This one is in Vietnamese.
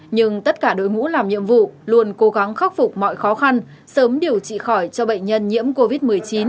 nhưng tất cả đội ngũ làm nhiệm vụ luôn cố gắng khắc phục mọi khó khăn sớm điều trị khỏi cho bệnh nhân nhiễm covid một mươi chín